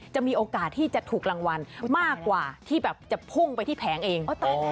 มีโอกาสที่จะถูกรางวัลมากกว่าที่แบบจะพุ่งไปที่แผงเอง